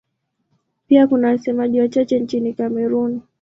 Pia kuna wasemaji wachache nchini Kamerun.